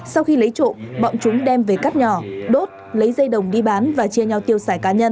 sau khi lấy trộm bọn chúng đem về cắt nhỏ đốt lấy dây đồng đi bán và chia nhau tiêu xài cá nhân